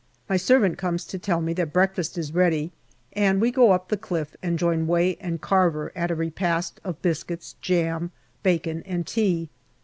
My servant comes to tell me that breakfast is ready, and we go up the cliff and join Way and Carver at a repast of biscuits, jam, bacon, and tea.